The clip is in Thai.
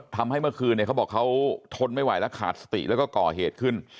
ทำให้เมื่อคืนเขาบอกเขาทนไม่ไหวแล้วขาดสติแล้วก็ก่อเหตุขึ้น